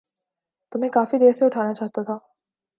تمہیں کافی دیر سے اٹھانا چاہتا تھا۔